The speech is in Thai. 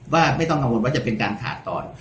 ว่าไม่ต้องกังวลว่าจะเป็นการขาดตอน